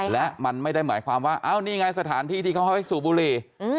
และมันไม่ได้หมายความว่าเอ้านี่ไงสถานที่ที่เขาเข้าไปสูบบุหรี่